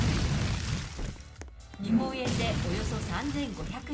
日本円でおよそ３５００円。